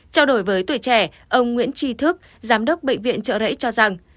trao đổi với tuổi trẻ ông nguyễn tri thức giám đốc bệnh viện trợ rẫy cho rằng